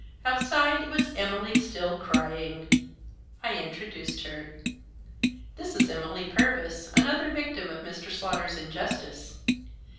Outside was Emily, still crying. I introduced her. "This is Emily Purvis, another victim of Mr. Slaughter's injustice.